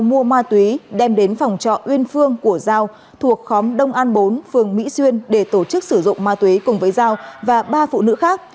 mua ma túy đem đến phòng trọ uyên phương của giao thuộc khóm đông an bốn phường mỹ xuyên để tổ chức sử dụng ma túy cùng với giao và ba phụ nữ khác